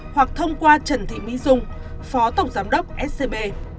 hoặc thông qua trần thị mỹ dung phó tổng giám đốc scb